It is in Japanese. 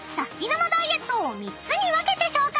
なダイエットを３つに分けて紹介］